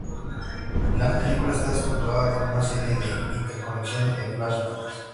La película está estructurada como una serie de interconexiones de flashbacks.